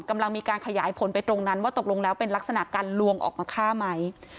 กำลังมีการขยายผลไปตรงนั้นว่าตกลงแล้วเป็นลักษณะการลวงออกมาฆ่าไหม